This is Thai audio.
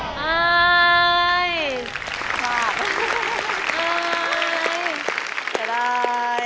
๑๘บาท